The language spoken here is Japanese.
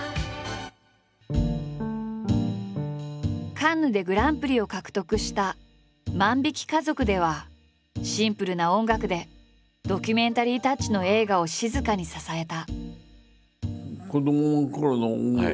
カンヌでグランプリを獲得した「万引き家族」ではシンプルな音楽でドキュメンタリータッチの映画を静かに支えた。